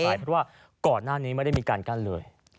เพราะว่าก่อนหน้านี้ไม่ได้มีการกั้นเลย